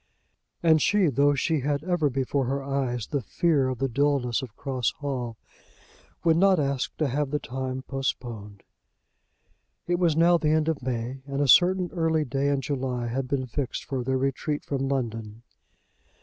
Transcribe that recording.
And she, though she had ever before her eyes the fear of the dullness of Cross Hall, would not ask to have the time postponed. It was now the end of May, and a certain early day in July had been fixed for their retreat from London.